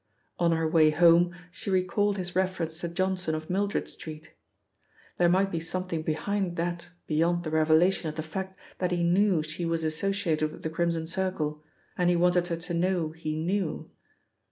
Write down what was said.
On her way home she recalled his reference to Johnson of Mildred Street. There might be something behind that beyond the revelation of the fact that he knew she was associated with the Crimson Circle, and he wanted her to know he knew.